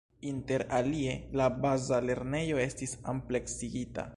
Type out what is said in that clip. Inter alie, la baza lernejo estis ampleksigita.